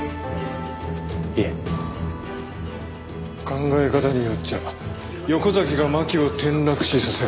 考え方によっちゃ横崎が巻を転落死させ。